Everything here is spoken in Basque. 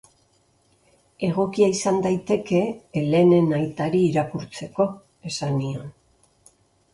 Egokia izan daiteke Helenen aitari irakurtzeko, esan nion.